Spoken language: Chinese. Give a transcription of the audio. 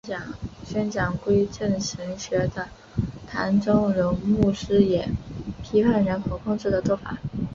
宣讲归正神学的唐崇荣牧师也批判人口控制的做法。